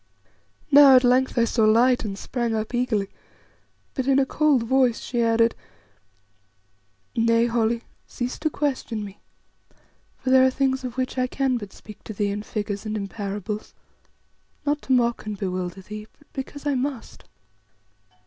Now at length I saw light and sprang up eagerly, but in a cold voice she added: "Nay, Holly, cease to question me, for there are things of which I can but speak to thee in figures and in parables, not to mock and bewilder thee, but because I must.